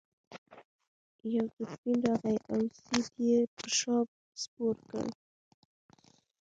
یو دولفین راغی او سید یې په شا سپور کړ.